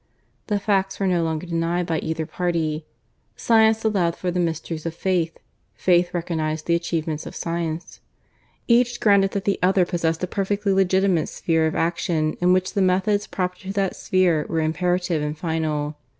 The facts were no longer denied by either party. Science allowed for the mysteries of Faith; Faith recognized the achievements of Science. Each granted that the other possessed a perfectly legitimate sphere of action in which the methods proper to that sphere were imperative and final.